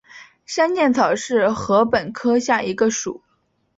山涧草属是禾本科下的一个属。